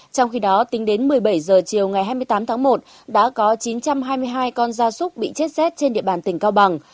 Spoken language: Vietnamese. trong khi đó tính đến một mươi bảy h chiều ngày hai mươi tám tháng một đã có chín trăm hai mươi hai con da súc bị chết rét trên địa bàn tỉnh cao bằng